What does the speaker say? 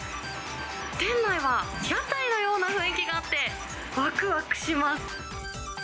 店内は屋台のような雰囲気があって、わくわくします。